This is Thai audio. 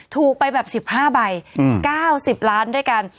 ถูกไปแบบ๑๕ใบ๙๐ล้านด้วยกัน